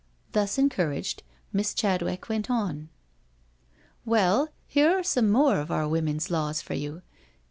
Thus encouraged Miss Chadwick went on: "Well, here are spme more of our women's laws for you.